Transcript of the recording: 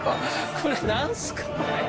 これ何すか。